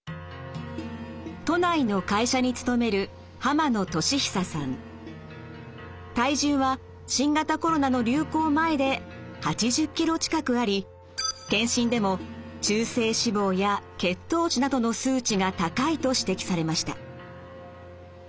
都内の会社に勤める体重は新型コロナの流行前で８０ｋｇ近くあり健診でも中性脂肪や血糖値などの数値が高いと指摘されました。